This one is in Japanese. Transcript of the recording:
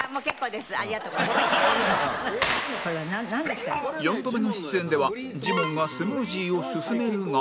４度目の出演ではジモンがスムージーを薦めるが